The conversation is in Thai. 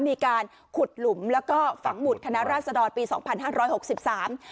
มีการขุดหลุมแล้วก็ฝังหุดคณะราชดรปีสองพันห้าร้อยหกสิบสาม